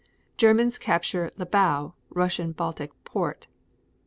Germans capture Libau, Russian Baltic port.